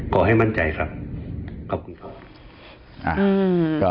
ขอให้มั่นใจครับขอบคุณครับ